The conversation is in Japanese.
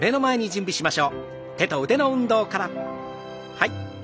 はい。